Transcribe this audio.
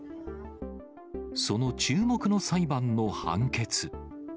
その注目の裁判の判決。